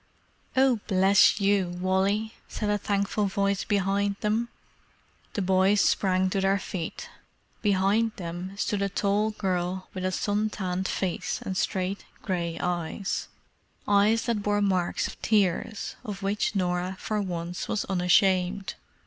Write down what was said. "Oh, bless you, Wally!" said a thankful voice behind them. The boys sprang to their feet. Behind them stood a tall girl with a sun tanned face and straight grey eyes—eyes that bore marks of tears, of which Norah for once was unashamed.